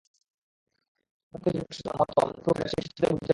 কিন্তু অন্য সবকিছুর মতো প্রুফ রিডার, সেই চিঠিতেও ভুল খুঁজে পায়।